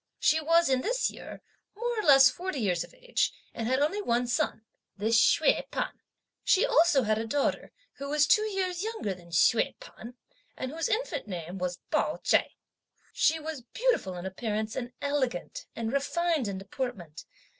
She was, in this year, more or less forty years of age and had only one son: this Hsüeh P'an. She also had a daughter, who was two years younger than Hsüeh P'an, and whose infant name was Pao Ch'ai. She was beautiful in appearance, and elegant and refined in deportment.